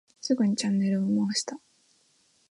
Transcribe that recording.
すぐにチャンネルを回した。